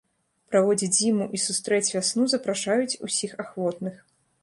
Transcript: Праводзіць зіму і сустрэць вясну запрашаюць усіх ахвотных.